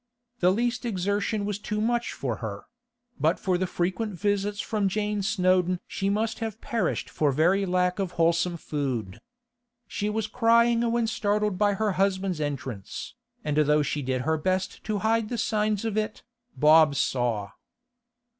The least exertion was too much for her; but for frequent visits from Jane Snowdon she must have perished for very lack of wholesome food. She was crying when startled by her husband's entrance, and though she did her best to hide the signs of it, Bob saw.